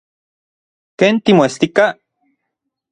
¿Ken timoestika?